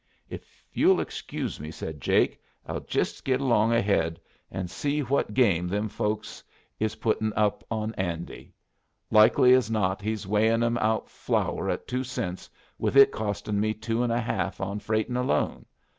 "If you'll excuse me," said Jake, "I'll jest git along ahead, and see what game them folks is puttin' up on Andy. Likely as not he's weighin' 'em out flour at two cents, with it costin' me two and a half on freightin' alone.